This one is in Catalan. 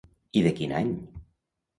I de quin any?